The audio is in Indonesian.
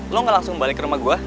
lo gak langsung balik ke rumah gue